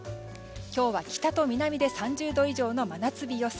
今日は北と南で３０度以上の真夏日予想。